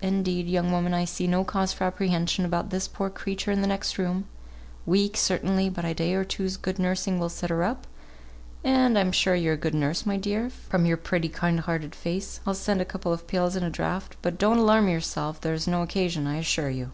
indeed, young woman, I see no cause for apprehension about this poor creature in the next room; weak certainly; but a day or two's good nursing will set her up, and I'm sure you're a good nurse, my dear, from your pretty, kind hearted face, I'll send a couple of pills and a draught, but don't alarm yourself, there's no occasion, I assure you."